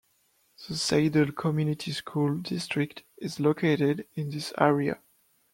The Saydel Community School District is located in this area.